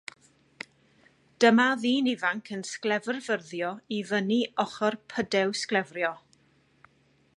Dyma ddyn ifanc yn sglefrfyrddio i fyny ochr pydew sglefrio.